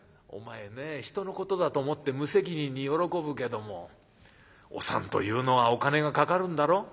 「お前ねえひとのことだと思って無責任に喜ぶけどもお産というのはお金がかかるんだろ？」。